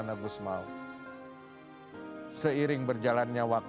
dan datang pula presiden timur leste sananak